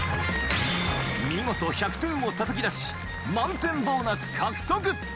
見事１００点をたたき出し満点ボーナス獲得！